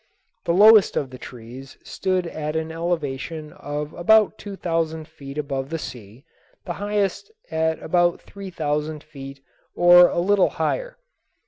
The lowest of the trees stood at an elevation of about two thousand feet above the sea, the highest at about three thousand feet or a little higher.